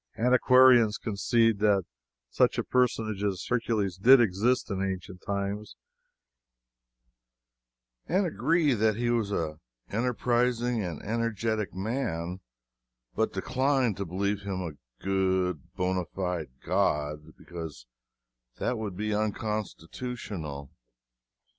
Antiquarians concede that such a personage as Hercules did exist in ancient times and agree that he was an enterprising and energetic man, but decline to believe him a good, bona fide god, because that would be unconstitutional.